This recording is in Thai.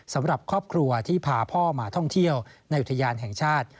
สำหรับครอบครัวที่พาพ่อมาท่องเที่ยวในอุทยานแห่งชาติ